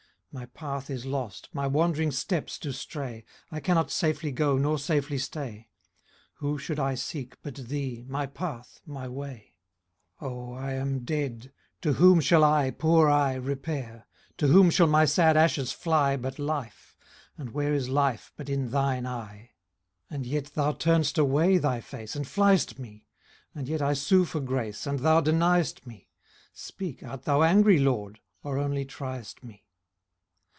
My path is lost, my wandering steps do stray ; I cannot safely go, nor safely stay ; Whom should I seek but thee, my path, my way ? O, I am dead : to whom shall I, poor I, Repair ? to whom shall my sad ashes fly For life ? and where is life but in thine eye ? And yet thou turn'st away thy face, and fly'st me ; And yet I sue for grace, and thou deny'st me ; Speak, art thou angry, LORD, or only try'st me